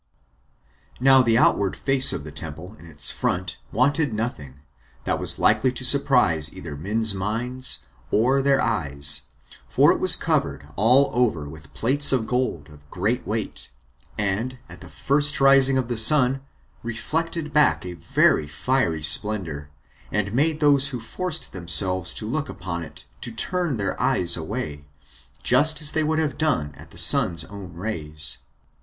Now the outward face of the temple in its front wanted nothing that was likely to surprise either men's minds or their eyes; for it was covered all over with plates of gold of great weight, and, at the first rising of the sun, reflected back a very fiery splendor, and made those who forced themselves to look upon it to turn their eyes away, just as they would have done at the sun's own rays.